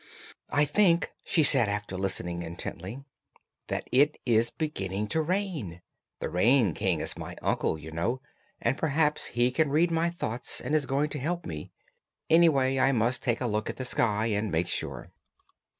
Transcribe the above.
"I think," she said, after listening intently, "that it is beginning to rain. The Rain King is my uncle, you know, and perhaps he has read my thoughts and is going to help me. Anyway I must take a look at the sky and make sure."